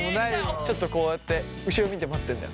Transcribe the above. ちょっとこうやって後ろ見て待ってんだよ。